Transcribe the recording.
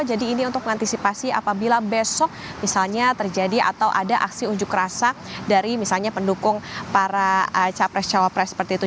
jadi ini untuk mengantisipasi apabila besok misalnya terjadi atau ada aksi unjuk rasa dari misalnya pendukung para capres capres seperti itu